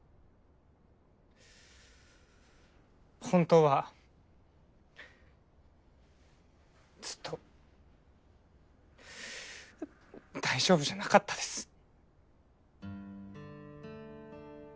本当はずっと大丈夫じゃなかったです。